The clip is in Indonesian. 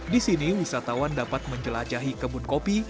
di sini wisatawan dapat menjelajahi kebun kopi